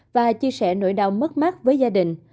và chia sẻ nỗi đau mất mát với gia đình